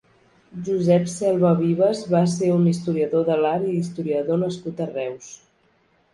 Josep Selva Vives va ser un historiador de l'art i historiador nascut a Reus.